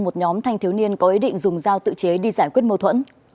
một nhóm thanh thiếu niên có ý định dùng dao tự chế đi giải quyết mâu thuẫn